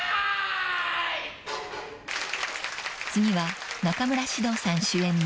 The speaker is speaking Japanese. ［次は中村獅童さん主演の］